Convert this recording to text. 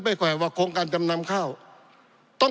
ปี๑เกณฑ์ทหารแสน๒